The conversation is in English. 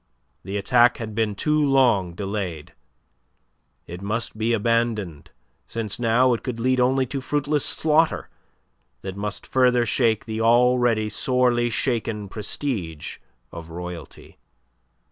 The attack had been too long delayed. It must be abandoned since now it could lead only to fruitless slaughter that must further shake the already sorely shaken prestige of Royalty.